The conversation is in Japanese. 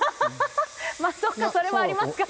そうか、それはありますかね。